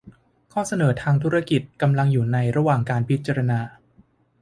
ข้อเสนอทางธุรกิจกำลังอยู่ในระหว่างการพิจารณา